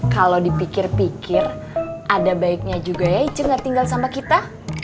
kalau dipikir pikir ada baiknya juga ya icing nggak tinggal sama kita